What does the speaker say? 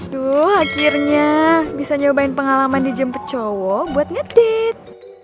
tuh akhirnya bisa nyobain pengalaman dijemput cowok buat ngedit